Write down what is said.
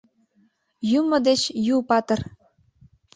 ЮМО ДЕЧ Ю ПАТЫР